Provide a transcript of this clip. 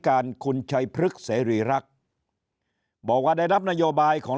การคุณชัยพฤกษ์เสรีรักษ์บอกว่าได้รับนโยบายของ